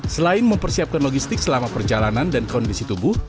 selain mempersiapkan logistik selama perjalanan dan kondisi tubuh